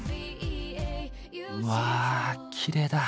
うわきれいだ！